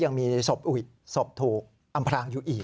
ยังมีศพอุ๋ยศพถูกอำพลังอยู่อีก